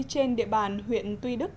trên địa bàn huyện tuy đức